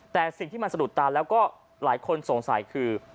แต่สิ่งที่มันสะดุดตาแล้วก็หลายคนสงสัยคือ